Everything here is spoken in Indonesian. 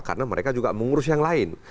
karena mereka juga mengurus yang lain